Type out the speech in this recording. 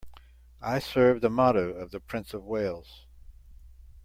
I serve the motto of the Prince of Wales.